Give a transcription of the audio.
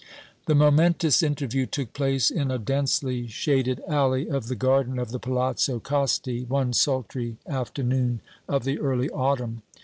The momentous interview took place in a densely shaded alley of the garden of the Palazzo Costi one sultry afternoon of the early autumn.